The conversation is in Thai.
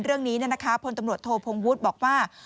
เรื่องนี้พลตำรวจโทพงวุฒิบอกว่า